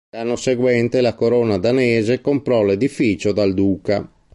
L'anno seguente la Corona Danese comprò l'edificio dal duca.